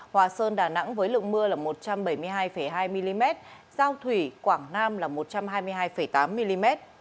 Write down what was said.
hòa sơn đà nẵng với lượng mưa là một trăm bảy mươi hai hai mm giao thủy quảng nam là một trăm hai mươi hai tám mm